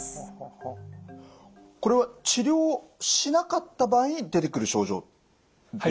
これは治療しなかった場合に出てくる症状でよろしいですか？